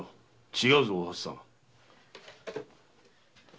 違うぞお初さん。